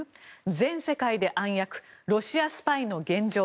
全世界で暗躍ロシアスパイの現状。